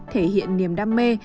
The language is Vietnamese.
thể hiện niềm đam mê